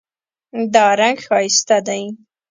دا رنګ ښایسته دی